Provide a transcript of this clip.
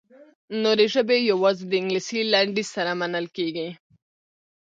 نورې ژبې یوازې د انګلیسي لنډیز سره منل کیږي.